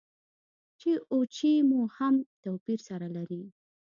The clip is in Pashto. چې او چي هم توپير سره لري.